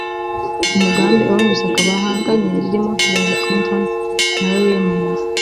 umugambi abo mu ishyaka bahanganye ririmo Hillary Clinton nawe wiyamamaza